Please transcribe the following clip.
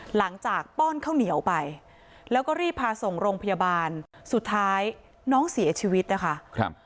ป้อนข้าวเหนียวไปแล้วก็รีบพาส่งโรงพยาบาลสุดท้ายน้องเสียชีวิตนะคะครับ